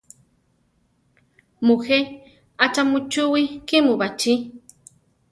Mujé; achá muchúwi kímu baʼchí?